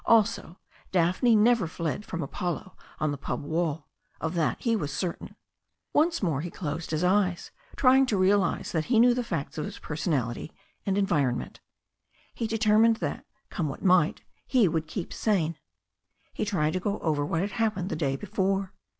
Also, Daphne never fled from Apollo on the pub wall. Of that he was certain. Once more he closed his eyes, trying to realize that he knew the facts of his personality and environment. He de termined that, come what might, he would keep sane. He tried to go over what had happened the day before.